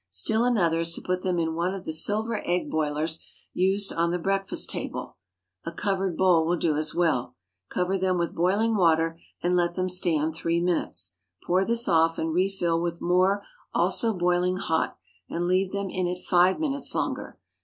Still another is to put them in one of the silver egg boilers used on the breakfast table (a covered bowl will do as well); cover them with boiling water, and let them stand three minutes. Pour this off, and refill with more, also boiling hot, and leave them in it five minutes longer.